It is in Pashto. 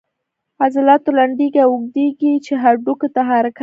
عضلات لنډیږي او اوږدیږي چې هډوکو ته حرکت ورکوي